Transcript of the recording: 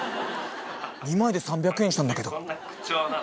２枚で３００円したんだけど。